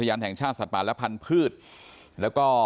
เหมือนกับทุกครั้งกลับบ้านมาอย่างปลอดภัย